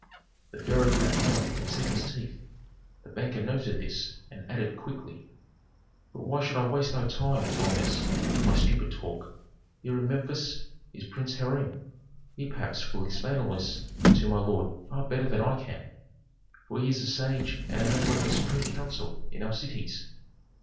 The pharaoh grew pale and set his teeth. The banker noted this and added, quickly, "But why should I waste thy time, holiness, with my stupid talk? Here in Memphis is Prince Hiram; he perhaps will explain all this to my lord far better than I can, for he is a sage and a member of the supreme council in our cities."